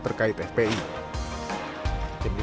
mengingatkan kegiatan fpi